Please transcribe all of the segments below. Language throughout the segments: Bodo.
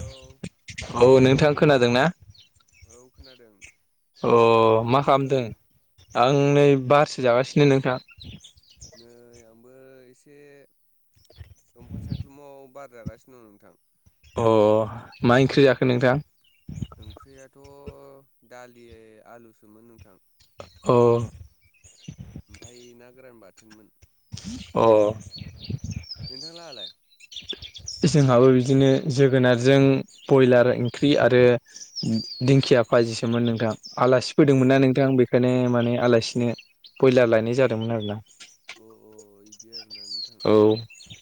औ औ नोंथां खोनादों ना? औ खोनादों अ मा मा खालामदोंबा खालामदों नोंथाङा आं नै बारसो जागासि नो नोंथां नै आंबो एसे दंफां सायख्लुमाव बार जागासिनो दं नोंथां अ मा ओंख्रि जाखो नोंथां ओंख्रियाथ' दालि आलुसोमोन नोंथां औ ओमफाय ना गोरान बाथोनमोन अ नोंथां लाहालाय जोंहाबो बिदिनो जोगोनारजों बयलार ओंख्रि आरो दिंखिया फाजिसोमोन नोंथां आलासि औ फैदोंमोन ना नोंथां बेखायनो माने आलासिनो ब्रयलार लायनाय जादोंमोन आरो ना अ अ औ [inaudible]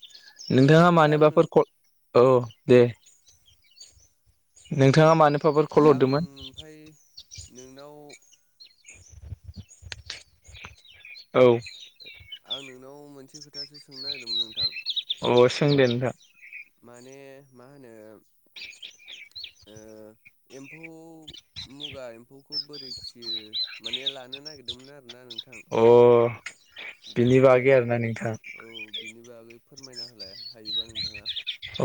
नोंथाङा ओमफ्राय आं नों मानोबाफोर कल औ दे नोंथाङा मानो आं ओमफाय नोंनाव औ आं नोंनाव मोनसे खोथासो सोंनो नागिरदोंमोन नोंथां औ सों दे नोंथां माने मा होनो ओ एम्फौ मुगा एम्फौखौ बोरै फियो माने लानो नागिरदोंमोन आरो नोंथां अ बे बिनि मुगा बागै आरोना एम्फौखौ नोंथां औ बिनि बागै फोरमायना होलाय हायोबा नोंथाङा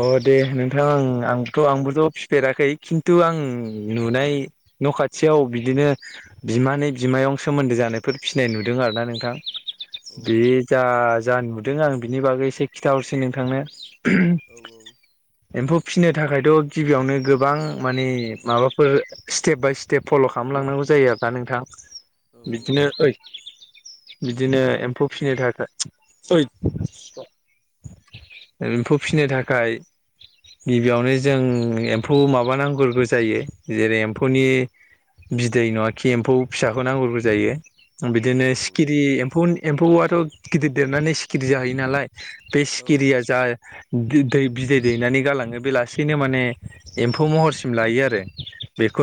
अ दे नोंथां आंबोथ' आंबोथ' फिफेराखै खिन्थु आं नुनाय न' खाथियाव बिदिनो बिमानै बिमायं सोमोन्दो जानायफोर फिसिनाय नुदों आरो ना नोंथां अ बे जा जा नुदों आं बिनि बागै एसे खिन्थाहरसै नोंथांनो औ औ एम्फौ फिसिनो थाखायथ' गिबियावनो गोबां मानि माबाफोर स्टेप बाय स्टेप फल' खालाम लांनांगौ जायो आरोना नोंथां औ औ बिदिनो ओइ बिदिनो एम्फौ फिनो थाखाय सरि एम्फौ फिनो थाखाय गिबियावनो जों एम्फौ माबानांग्रोगौ जायो जेरै एम्फौनि बिदै नङा खि एम्फौ फिसाखौ नांग्रोगौ जायो औ बिदिनो औ सिखिरि नोंथां एम्फौ एम्फौआथ' गिदिर देरनानै सिखिरि जाहैयो नालाय बे औ सिखिरिया जा बि दै बिदै दैनानै गालाङो बे लासैनो माने एम्फौ महरसिम लायो आरो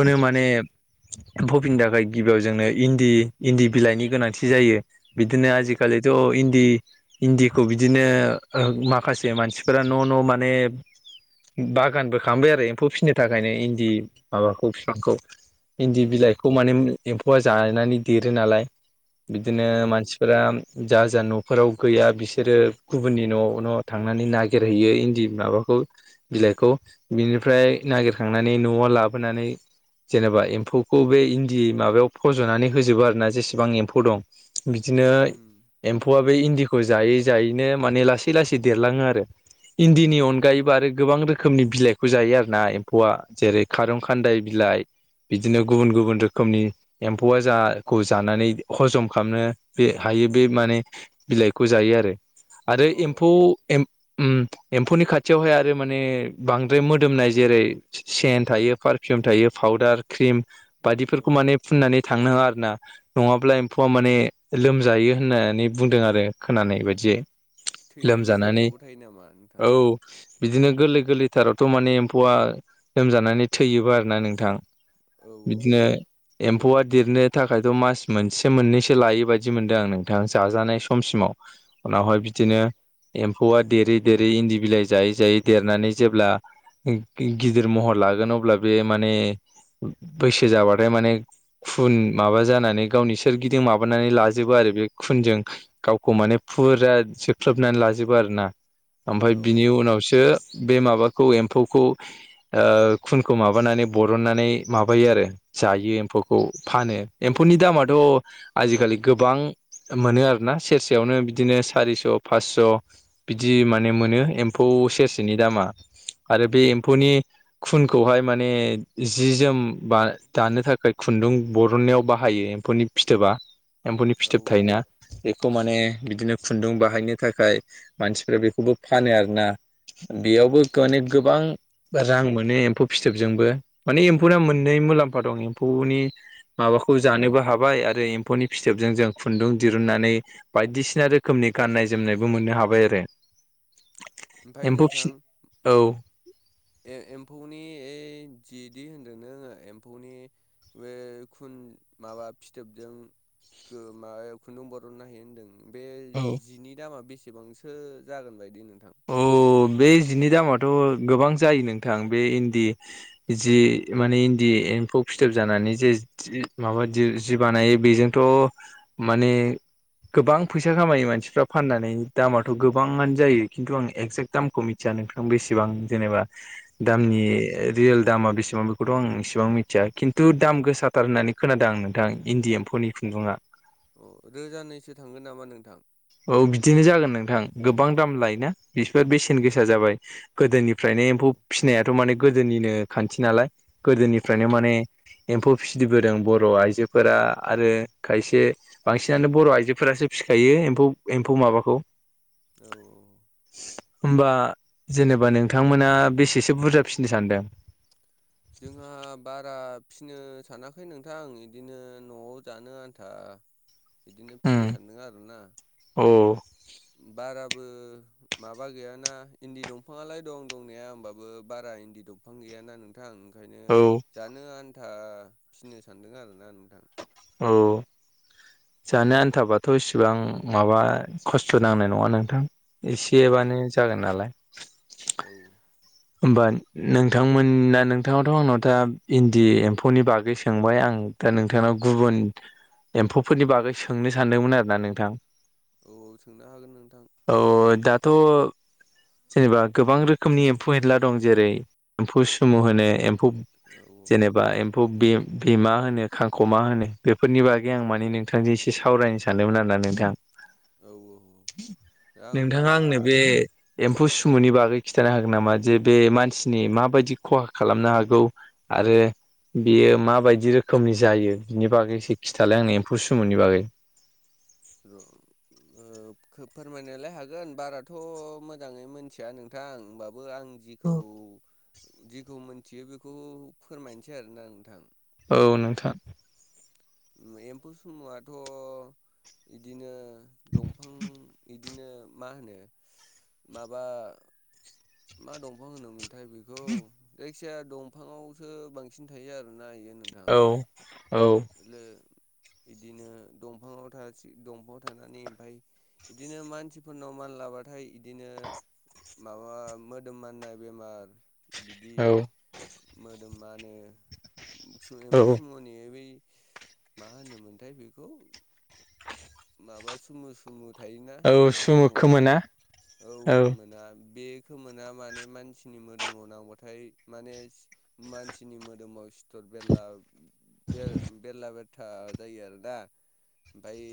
औ माने एम्फौ फिनो थाखाय गिबियाव जोंनो इन्दि इन्दि बिलाइनि गोनांथि जायो बिदिनो ओ आजिखालिथ' इन्दि इन्दिखौ बिदिनो ओ माखासे मानसिफ्रा न' न' माने बागानबो खालामबाय आरो एम्फौ फिसिनो थाखायनो इन्दि माबाखौ फिफांखौ औ इन्दि बिलाइखौ माने एम्फौआ जानानै देरो नालाय औ बिदिनो औ मानसिफोरा जा जा न' फोराव गैया बिसोरो गुबुननि न' न' थांनानै नागिर जेरैइयो इन्दि माबाखौ बिलाइखौ बिनिफ्राय नागिरखांनानै न'आव लाबोनानै जेनेबा एम्फौखौ बे इन्दि माबायाव फज'नानै होजोबो आरो ना जेसेबां एम्फौ दं। बिदिनो उम एम्फौआ बे इन्दिखौ जायै जायैनो माने लासै लासै देरलाङो आरो। इन्दिनि अनगायैबो आरो गोबां रोखोमनि बिलाइखौ जायो आरोना एम्फौआ जेरै खारं खान्दाय बिलाइ बिदिनो गुबुन गुबुन रोखोमनि एम्फौआ जाखौ जानानै हजम खालामनो बे बे बे माने बिलाइखौ जायो आरो आरो अ एम्फौ इ एम उम एम्फौनि खाथियावहाय आरो माने बांद्राय मोदोमनाय जेरै सेन थायो पारफियुम थायो फाउदार किरिम औ बायदिफोरखौ माने फोनानै थांनोङा आर ना नङाब्ला एम्फौआ माने लोमजायो होननानै बुंदों आरो खोनानाय बायदियै। थैनायनि लोमजानानै सान्सआवबो थायो नामा नोंथां? औ बिदिनो गोरलै गोरलैथारावथ' माने एम्फौआ लोमजानानै थैयोबो आरो ना नोंथां। औ औ बिदिनो एम्फौआ देरनो थाखायथ मास मोनसे मोननैसो लायै बायदि मोनदों आं नोंथां जाजानाय समसिमाव। उनावहाय ए बिदिनो एम्फौआ देरै देरै इन्दि बिलाइ जायै जायै देरनानै जेब्ला गिदिर महर लागोन अब्ला बे माने बैसो जाबाथाय माने खुन माबा जानानै गावनि सोरगिदिं माबानानै लाजोबो आरो बे खुनजों गावखौ माने फुरा जोबख्लबनानै लाजोबो आरो ना। ओमफ्राय औ बिनि उनावसो बे माबाखौ एम्फौखौ ओ खुनखौ माबानानै बरननानै माबायो आरो। जायो एम्फौखौ फानो औ एम्फौनि दामाथ' आजिखालि गोबां मोनो आरोना। ना सेरसेयावनो बिदिनो सारिस' फास स' बिदि माने मोनो एम्फौ सेरसेनि दामा आरो बे एम्फौनि खुनखौहाय माने जि जोम बा दानो थाखाय खुन्दुं बरननायाव बाहायो। एम्फौनि फिथोबा एम्फौनि औ फिथोब औ थायोना बेखौ माने बिदिनो खुन्दुं बाहायनो थाखाय मानसिफ्रा बेखौबो फानो आरो ना। बेयावबो माने गोबां रां मोनो एम्फौ फिथोबजोंबो माने एम्फौ मोननै मुलाम्फा दं एम्फौ नि माबाखौ जानोबो हाबाय आरो एम्फौनि फिथोब जों जों खुुनदुं दिरुन नानै बायदिसिना रोखोमनि गान्नाय जोमनायबो मोननो हाबाय आ रो ओमफ्राय एम्फौ फिसि औ ए-एम्फौनि ओइ जिदि होनदों नोङो एम्फौनि बे खुन माबा फिथोबजों माबा खुन्दुं बरननो हायो होनदों। बे जिनि दामा बेसेबांसो जागोन बायदि नों अ बे जिनि दामाथ' गोबां जायो नोंथां बे इन्दि जि माने इन्दि एम्फौ फिथोब जानानै जे माबा जि बानायो बेजोंथ' माने गोबां फैसा खामायो मानसिफ्रा फाननानै दामाथ गोबाङानो जायो। खिन्थु आं एक्जेक्ट दामखौ मिथिया नोंथां बेसेबां जेनेबा दामनि औ रियेल दामा बेसे बां बेखौथ आं इसेबां मिथिया खिन्थु दाम गोसाथार होननानै खोनादों आं नोंथां इन्डि एम्फोरनि खुन्दुंआ। अ रोजानैसो थांगोन नामा नोंथां? औ बिदिनो जागोन नोंथां गोबां दाम लायोना बिसफोर बेसेन गोसा जाबाय। गोदोनिफ्रायनो औ एम्फौ फिसिनायाथ माने गोदोनिनो खान्थि नालाय। औ गोदोनिफ्रायनो माने एम्फौ फिदिबोदों बर र' आइजोफोरा आरो खायसे बांसिनानो बर' आइजोफोरासो फिखायो एम्फौ एम्फौ माबाखौ औ होमबा जेनेबा नोंथांमोना बेसेसो बुरजा फिसिनो सानदों? जोंहा बारा फिसिनो सानाखै नोंथां आं बिदिनो न'आव जानो आन्था बिदिनो उम फिनो सानदों आरोना औ बाराबो माबा गैयाना इन्दि दंफाङालाय दं दंनाया होमबाबो बारा इन्दि दंफां गैयाना नोंथां। नोंथां ओंखायनो औ जानो आन्था फिनो सानदों आरोना नोंथां औ जानो आनथाबाथ' इसिबां माबा खस्थ' नांनाय नङा नोंथां औ एसेबानो जागोन नालाय औ होमबा नोंथांमोना नोंथाङावाथ' आंनाव दा इन्दि एम्फौनि बागै सोंबाय आं दा नोंथांनाव गुबुन एम्फौफोरनि बागै सोंनो सानदोंमोन आरो ना नोंथां औ सोंनो हागोन नोंथां। थ' जेनेबा गोबां रोखोमनि एमफौ-एनला दं जेरै एमफौ सुमु होनो एमफौ औ जेनेबा एम फौ बे‌ बेमा होनो खांख'मा होनो बेफोरनि बागै आं माने नोंथांजों एसे सावरायनो सानदोंमोन आरो। दा नोंथां औ औ आं नोंथाङा होमबा आंनो बे एमफौ सुमुनि बागै खिथानो हागोन नामा जे बे मानसिनि माबायदि ख'हा खालामनो हागौ आरो। बेयो माबायदि रोखोमनि जायो बिनि बागै एसे खिथालाय आंनो एमफौ सुमुनि बागै? र फोरमायनोलाय हागोन बाराथ' मोजाङै मिथिया नोंथां होमबाबो। बो आं जिखौ जिखौ मोनथियो बेखौ फोरमायनोसै आरोना नोंथां। औ नोंथां एमफौ सुमुयाथ' बिदिनो दंफां बिदिनो मा होनो माबा मा दंफां होनोमोन। नाथाय बेखौ जायखिया दंफाङावसो बांसिन थायो आरोना बेयो। औ। औ ओम इदिनो दंफाङा दंफाङाव थानानै ओमफ्राय बिदिनो मानसिफोरनाव मानल- लाबाथाय बिदिनो माबा मोदोम माननाय बेमार। बिदि औ मोदोमा होनो एमफौ औ सुमुनि बै मा होनोमोनथाय बेखौ माबा सुमु सुमु। थायोना औ एमफौ सुमु सुमुयाव खोमोना औ खोमोना बे खोमोना माने मानसिनि मोदोमाव नांगबथाय माने मानसिनि मोदोमाव। बेला बे बेरला बेरथा जायो आरोना। ओमफाय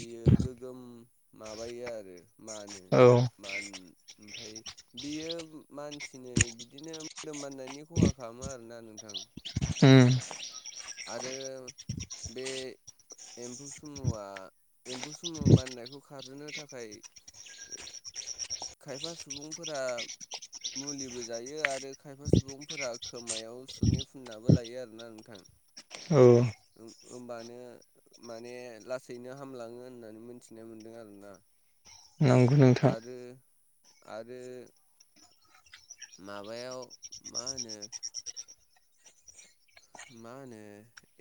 बियो गोगोम माबायो आरो। मानो औ मान ओमफ्राय बियो मानसिनो बिदिनो मोदोम माननायनि ख'हा खालामो आरोना नोंथां। होम। आरो बे एमफौ सुमुया एमफौ सुमु माननायखौ खारहोनो थाखाय खायफा सुबुंफोरा मुलिबो जायो आरो खायफा सुबुंफोरा खोमायाव सुनि फुननाबो लायो आरोना नोंथां। औ। होमबानो माने लासैनो हामलाङो होननानै मोनथिनाय मोनदों आरोना। नंगौ नोंथां आरो आरो माबायाव मा होनो मा होनो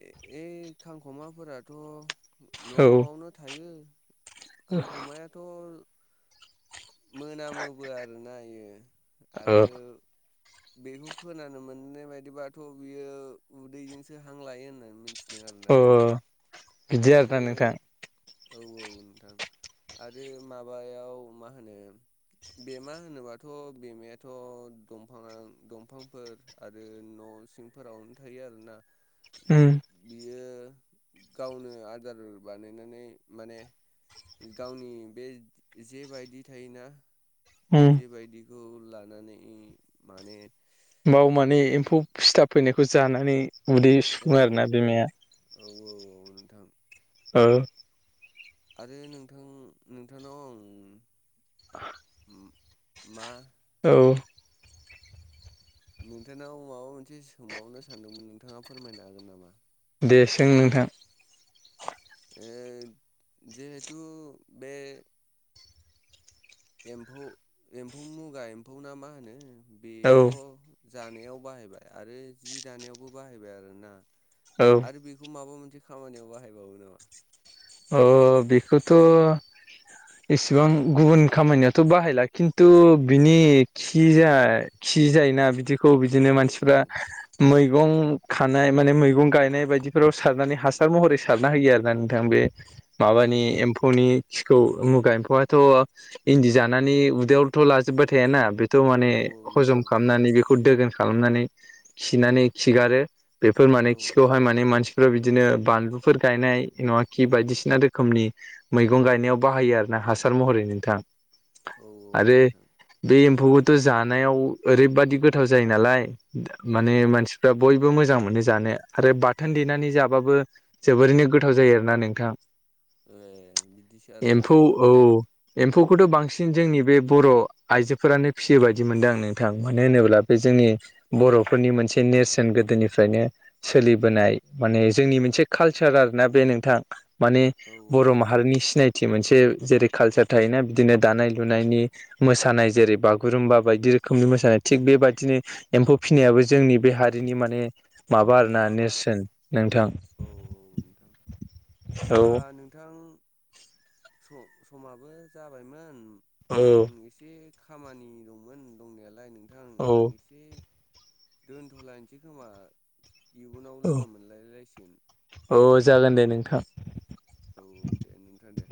ओइ खांख'माफोराथ' औ न'आवनो थायो। खांख'मायाथ' मोनामोबो आरोना इयो ओ आरो। बेखौ खोनानो मोननाय बायदिबाथ' बियो उदैजोंसो हां लायो होननानै मिथि दों आरोना अ नोंथां बिदि आरोना आरो नोंथां औ औ नोंथां आरो माबायाव मा होनो बेमा होनोबाथ' बेमायाथ' दफां दंफांफोर आरो न' सिंफोरावनो थायो आरोना उम बियो गावनो आदार बानायनानै माने गावनि बे जे बायदि थायोना उम जेबायदिखौ लानानै माने बाव माने उम एम्फौ सिथाब फैनायखौ जानानै उदै औ सुुफुङो आरोना बिमाया औ औ औ नोंथां ओ आरो नोंथां नोंथांनाव आं [inaudible] मा औ नोंथांनाव माबा मोनसे सोंबावनो सानदोंमोन नोंथाङा फोरमायनो हागोन नामा दे सों नोंथां ए जिहेथु बे एम्फौ एम्फौ मुगा एम्फौ ना मा होनो औ बेथ' जानायाव बाहायबाय आरो जि दानायावबो बाहायबाय आरो ना औ आरो बेखौ माबा मोनसे खामानियाव बाहायबावो नामा अ बेखौथ' इसेबां गुबुन खामानियाथ' बाहायला खिन्थु बिनि खि जाय खि जायोना बिदिखौ बिदिनो औ मानसिफ्रा मै गं खानाय माने मैगं गायनाय बायदिफोराव सारनानै हासार महरै सारना होयो आरो ना नोंथां बे औ माबानि एम्फौनि खिखौ मुगा एम्फौआथ' इन्दि जानानै उदैयावथ' लाजोबबाय थायाना थ' माने औ औ हजम नोंथां खालामनानै बेखौ दोगोन खालामनानै खिनानै खिगारो बेफोर माने औ खिखौहाय माने मानसिफ्रा बिदिनो बानलुफोर गायनाय नङा खि बायदिसिना रोखोमनि मैगं गायनायाव बाहायो आरो ना हासार महरै नोंथां औ आरो नोंथां बे एम्फौखौथ' जानायाव ओरैबादि गोथाव जायो नालाय माने उम मानसिफ्रा बय बो मोजां मोनो जानो आरो बाथोन देनानै जाबाबो जोबोरैनो गोथाव जायो आरोना नोंथां ए बिदिसो आरोना एम्फौ नोंथां औ होमबा एम्फौ खौथ' बांसिन जोंनि बे बर' आइजोफोरानो फिसियो बायदि मोनदों आं नोंथां मानो होनोब्ला बे जोंनि बर'फोरनि मोनसे नेरसोन गोदोनिफ्रायनो सोलिबोनाय माने जोंनि मोनसे कालचार आरोना बे नोंथां माने औ औ बर' नोंथां माहारिनि सिनायथि मोनसे जेरै कालसार थायोना बिदिनो दानाय लुनायनि मोसानाय जेरै बागुरुम्बा बायदि रोखोमनि मोसानाय थिग बेबायदिनो एम्फौ फिसिनायाबो जोंनि बे हारिनि माने माबा आरोना नेरसोन नोंथां औ होनबा नोंथां समाबो जाबायमोन औ आं एसे खामानि दंमोन दंनायालाय नोंथां औ आं एसे दोनथ'लायनोसै खोमा इयुनाव लोगो मोनलायलायसिगोन अ जागोन दे नोंथां औ दे नोंथां दे